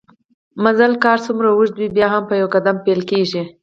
مزل که هرڅومره اوږده وي بیا هم په يو قدم پېل کېږي